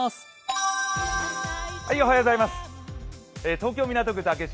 東京・港区竹芝